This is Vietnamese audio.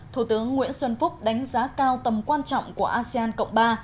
thủ tướng nguyễn xuân phúc đánh giá cao tầm quan trọng của asean cộng ba